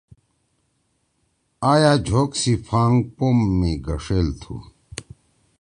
آ یأ جھوک سی پھانگ پوم می گݜیل تُھو